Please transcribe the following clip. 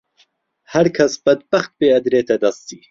هەرکەس بەدبەخت بێ ئەدرێتە دەستی